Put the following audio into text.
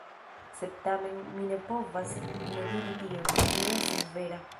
Sed tamen mi ne povas ne diri tion, kio estas vera.